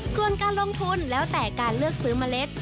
ส่วนการลงทุนแล้วแต่การเลือกซื้อเมล็ด